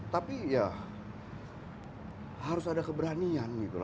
tapi ya harus ada keberanian gitu loh